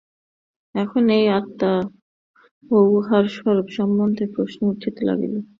এখন এই আত্মা ও উহার স্বরূপ সম্বন্ধে প্রশ্ন উঠিতে লাগিল।